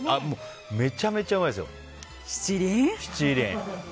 めちゃめちゃうまいですよ七輪。